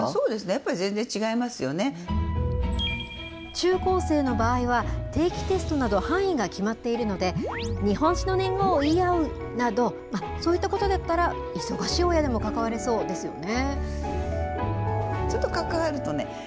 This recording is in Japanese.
中高生の場合は、定期テストなど範囲が決まっているので、日本史の年号を言い合うなど、そういったことだったら、忙しい親でも関われそうですよね。